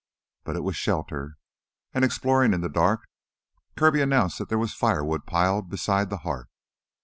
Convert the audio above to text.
But it was shelter, and exploring in the dark, Kirby announced that there was firewood piled beside the hearth.